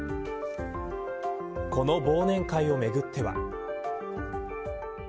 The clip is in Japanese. この忘年会をめぐっては。